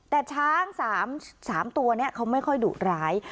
แต่ช้าง๓ตัวนี้เขาไม่ค่อยดุร้าย